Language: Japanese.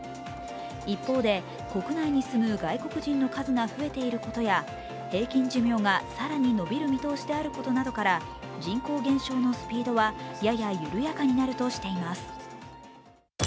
一方で、国内に住む外国人の数が増えていることや平均寿命が更に延びる見通しであることなどから人口減少のスピードはやや緩やかになるとしています。